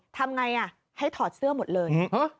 ทำไงให้ถอดเสื้อหมดเลย